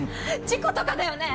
事故とかだよね！？